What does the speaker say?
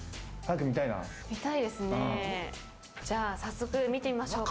じゃあ早速見てみましょうか。